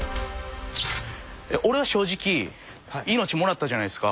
俺は正直命もらったじゃないですか。